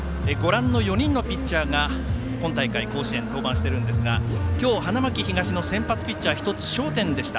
４人のピッチャーが今大会、甲子園登板しているんですが今日花巻東の先発ピッチャー１つ、焦点でした。